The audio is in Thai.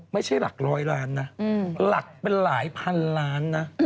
ไม่ใช่หลักร้อยล้านนะหลักเป็นหลายพันล้านนะ